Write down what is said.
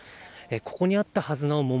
ここにあったはずの桃